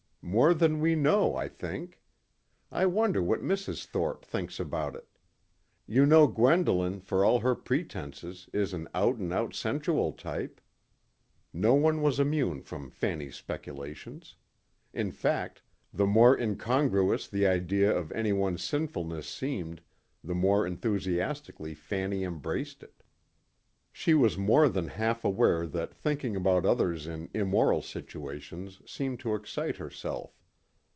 "More than we know, I think. I wonder what Mrs. Thorpe thinks about it. You know Gwendolyn, for all her pretenses, is an out and out sensual type." No one was immune from Fanny's speculations. In fact the more incongruous the idea of any one's sinfulness seemed, the more enthusiastically Fanny embraced it. She was more than half aware that thinking about others in immoral situations seemed to excite herself.